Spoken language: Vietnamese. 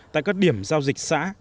tại các điểm giao dịch xã